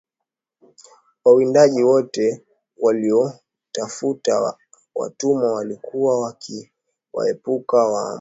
Wawindaji wote waliotafuta watumwa walikuwa wakiwaepuka Wamasai